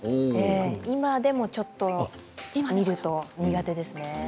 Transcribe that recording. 今でもちょっと見ると苦手ですね。